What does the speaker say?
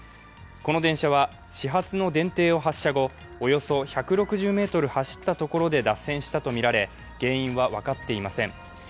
この電車は始発の電停を発車後およそ１６０ｍ走ったところで脱線したとみられ原因は分かっていません。